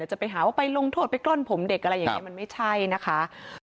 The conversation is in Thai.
จะไปหาว่าไปลงโทษไปก้นผมเด็กกลิ่นไม่ใช่นะคะ